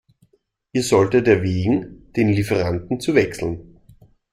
Ihr solltet erwägen, den Lieferanten zu wechseln.